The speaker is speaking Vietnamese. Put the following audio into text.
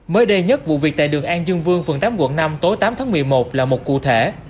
mới đây nhất vụ việc tại đường an dương vương phường tám quận năm tối tám tháng một mươi một là một cụ thể